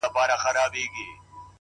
صادق چلند اعتماد ژوروي’